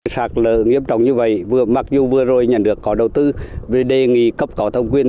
sạt lở nghiêm trọng như vậy mặc dù vừa rồi nhà nước có đầu tư về đề nghị cấp cỏ thông quyền